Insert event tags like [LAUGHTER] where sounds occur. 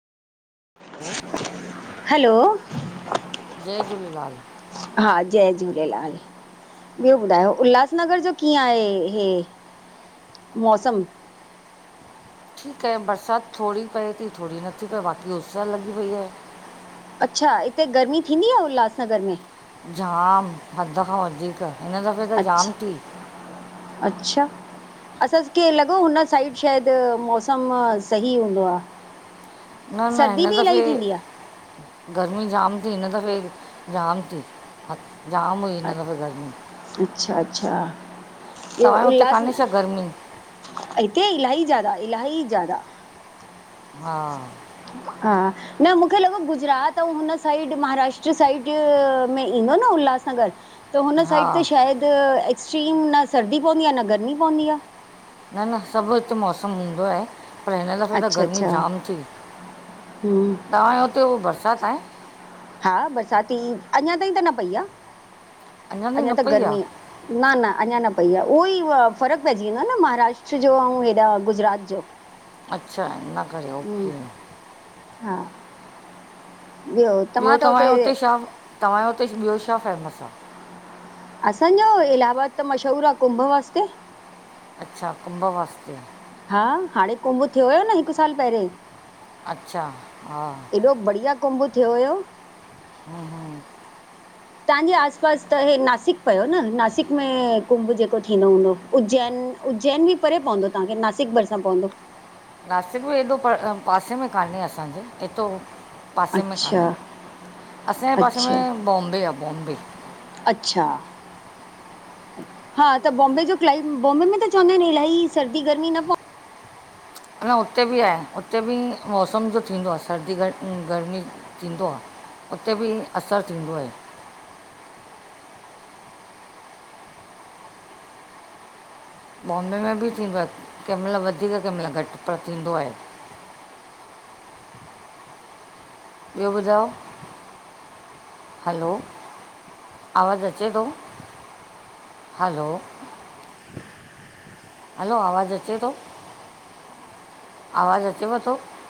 Hello जय झूलेलाल जय झूलेलाल ॿियो ॿुधायो उल्हासनगर जो कीअं आहे हे? मौसम ठीकु आहे बरसाति थोरी पए थी थोरी नथी पए बाक़ी उस लॻी पई आहे अच्छा हिते गर्मी थींदी आहे उल्हासनगर में? जाम हदि खां वधीक हिन दफ़े त जाम अच्छा थी। [INAUDIBLE] असांखे लॻो हुन साइड शायद मौसम सही हूंदो न आहे। न सर्दी हिन बि दफ़े इलाही थींदी आहे? गर्मी जाम थी हिन दफ़े जाम थी। जाम हुई हिन आहे दफ़े गर्मी अच्छा अच्छा तव्हांजे हुते उल्हास कान्हे छा गर्मी ते इलाही ज्यादा इलाही ज्यादा। हा हा न मूंखे लॻो गुजरात ऐं हुन साइड महाराष्ट्र साइड में। ईंदो न उल्हासनगर। त हुन हा साइड ते शायदि एक्स्ट्रीम न सर्दी पवंदी आहे न गर्मी पवंदी आहे न न सभु हिते मौसमु हूंदो आहे। पर हिन दफ़े त अच्छा गर्मी अच्छा जाम थी हम्म छा ताईं हा बरसाती अञा ताईं त न पई। ताईं अञा न त पई गर्मी आहे आहे अञा। पई आहे उहो ई फ़र्क़ु पइजी वेंदो न महाराष्ट्र जो ऐं हेॾा गुजरात जो अच्छा इन करे हम्म हा ॿियो तव्हांजो हुते छा छा फेमस आहे? असांजो इलाहाबाद त मशहूर आहे कुंभ वास्ते। अच्छा कुंभ वास्ते। हा हाणे कुंभ थियो हुयो न हिकु साल पहिरियोेंं अच्छा हा एॾो बढ़िया कुंभ थियो हुयो। हा हा तव्हांजे आस पास त नासिक पयो न नासिक में कुंभ जेको थींदो हूंदो उज्जैन। उज्जैन भी परे पवंदो तव्हांखे नासिक भरिसां पवंदो। नासिक बि एॾो पासे में कान्हे असांजे ऐतरो पासे में अच्छा कान्हे असांजे पासे अच्छा में बॉम्बे आहे बॉम्बे। अच्छा। हा त बॉम्बे जो क्लाइम त चवंदा आहिनि इलाही सर्दी गर्मी न पवंदी उते बि सर्दी गर्मी जो आहे मौसम थींदो आहे। उते भी असरु थींदो आहे। [INAUDIBLE] बॉम्बे में बि थींदो आहे कंहिं वक़्तु वधीक कंहिं वक़्तु घटि पर थींदो आहे। [INAUDIBLE] ॿियो ॿुधायो? हलो आवाज़ु अचे थो? हलो हलो आवाज़ु अचे थो? आवाज अचेव थो